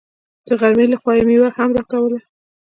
د غرمې له خوا يې مېوه هم راکوله.